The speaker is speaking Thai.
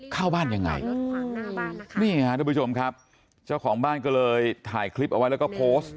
เข้าบ้านยังไงนี่ฮะทุกผู้ชมครับเจ้าของบ้านก็เลยถ่ายคลิปเอาไว้แล้วก็โพสต์